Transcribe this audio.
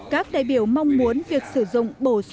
các đại biểu mong muốn việc sử dụng quỹ phòng chống thiên tai